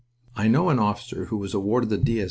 I know an officer who was awarded the D. S.